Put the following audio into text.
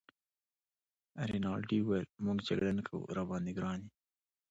رینالډي وویل: موږ جګړه نه کوو، راباندي ګران يې.